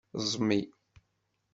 Ẓmi.